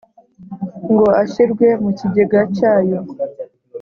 ngo ashyirwe mu kigega cya yo